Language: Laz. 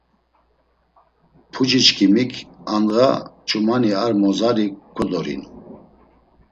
Puciçkimik andğa ç̆umani ar mozari kodorinu.